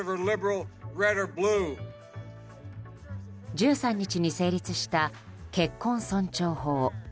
１３日に成立した結婚尊重法。